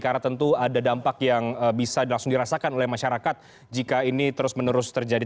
karena tentu ada dampak yang bisa langsung dirasakan oleh masyarakat jika ini terus menerus terjadi